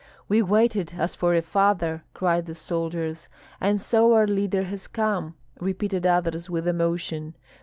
"We waited as for a father!" cried the soldiers. "And so our leader has come!" repeated others, with emotion.